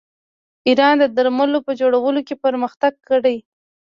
ایران د درملو په جوړولو کې پرمختګ کړی.